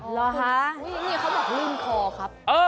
เหรอคะนี่เขาบอกลื่นคอครับ